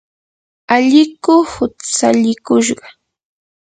alliku hutsallikushqa.